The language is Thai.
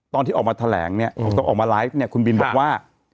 ตอนที่ออกมาแถลงเนี่ยต้องออกมาไลฟ์เนี่ยคุณบินบอกว่า